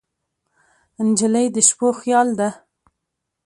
نجلۍ د شپو خیال ده.